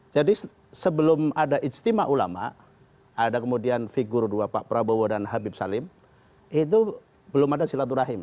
jadi sebelum ada ijtima ulama ada kemudian figur dua pak prabowo dan habib salim itu belum ada silaturahim